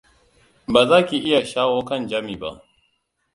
Baza ki iya shawo kan Jami ba.